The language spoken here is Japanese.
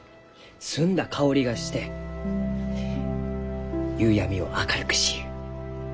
澄んだ香りがして夕闇を明るくしゆう。